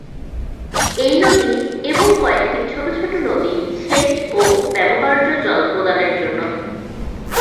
এই নদী এবং কয়েকটি ছোট ছোট নদী সেচ ও ব্যবহার্য জল প্রদানের জন্য দায়ী।